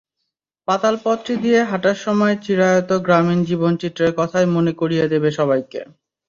পাতালপথটি দিয়ে হাঁটার সময় চিরায়ত গ্রামীণ জীবনচিত্রের কথাই মনে করিয়ে দেবে সবাইকে।